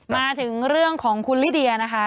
มาถึงเรื่องของคุณลิเดียนะคะ